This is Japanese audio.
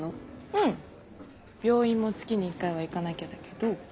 うん病院も月に１回は行かなきゃだけど。